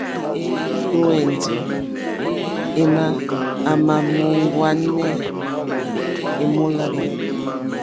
Lwɛ̌ndì émá à mà mòóŋwánê èmólánà.